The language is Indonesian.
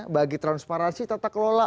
bagi transparansi tata kelola